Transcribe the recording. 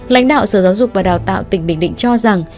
lãnh đạo sở giáo dục và đào tạo tỉnh bình định cho rằng